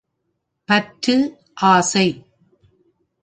பற்று — ஆசை.